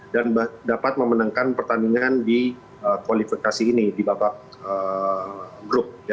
dan dapat memenangkan pertandingan di kualifikasi ini di babak grup